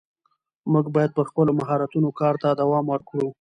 موږ باید پر خپلو مهارتونو کار ته دوام ورکړو